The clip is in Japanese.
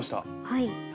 はい。